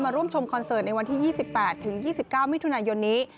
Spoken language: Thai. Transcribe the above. ร่วมชมคอนเสิร์ตในวันที่๒๘๒๙มิถุนายนนี้